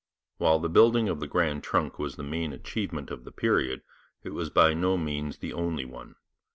While the building of the Grand Trunk was the main achievement of the period, it was by no means the only one.